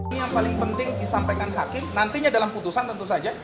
ini yang paling penting disampaikan hakim nantinya dalam putusan tentu saja